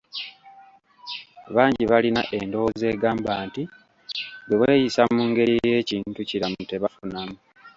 Bangi balina endowooza egamba nti, bwe beeyisa mu ngeri ey'ekintu kiramu tebafunamu.